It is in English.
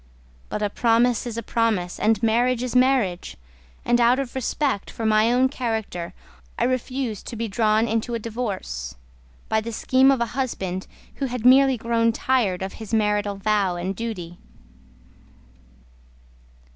But a promise is a promise And marriage is marriage, And out of respect for my own character I refused to be drawn into a divorce By the scheme of a husband who had merely grown tired Of his marital vow and duty.